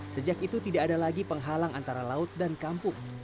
sejak itu tidak ada lagi penghalang antara laut dan kampung